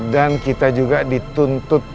dan kita juga dituntut